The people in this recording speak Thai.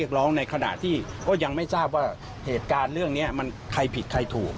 ก็ยังไม่ทราบว่าเหตุการณ์เรื่องนี้มันใครผิดใครถูก